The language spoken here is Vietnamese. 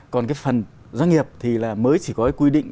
còn cái phần doanh nghiệp thì là mới chỉ có cái quy định